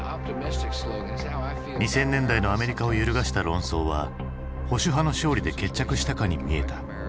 ２０００年代のアメリカを揺るがした論争は保守派の勝利で決着したかに見えた。